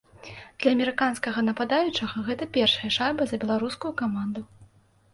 Для амерыканскага нападаючага гэта першая шайба за беларускую каманду.